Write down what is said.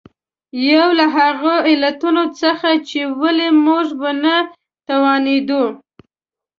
یو له هغو علتونو څخه چې ولې موږ ونه توانېدو.